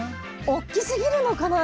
大きすぎるのかな？